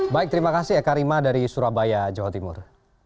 baik terima kasih ya karima dari surabaya jawa timur